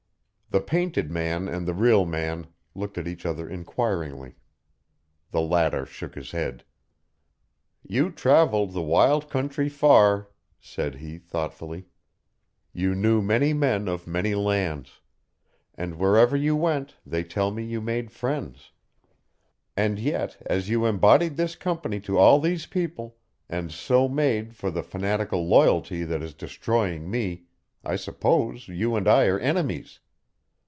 The painted man and the real man looked at each other inquiringly. The latter shook his head. "You travelled the wild country far," said he, thoughtfully. "You knew many men of many lands. And wherever you went they tell me you made friends. And yet, as you embodied this Company to all these people, and so made for the fanatical loyalty that is destroying me, I suppose you and I are enemies!"